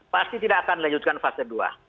pasti tidak akan melanjutkan fase dua